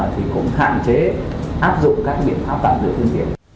thì cũng hạn chế áp dụng các biện pháp tạm thời phương tiện